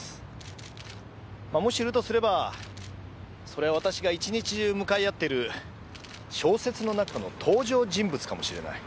もしいるとすればそれは私が１日中向かい合っている小説の中の登場人物かもしれない。